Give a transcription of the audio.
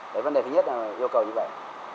đấy vấn đề thứ nhất là yêu cầu như vậy